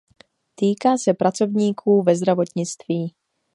Týká se pracovníků ve zdravotnictví.